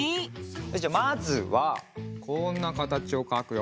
じゃまずはこんなかたちをかくよ。